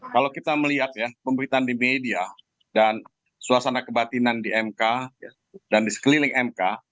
kalau kita melihat ya pemberitaan di media dan suasana kebatinan di mk dan di sekeliling mk